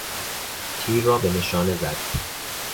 تیر را به نشانه زد.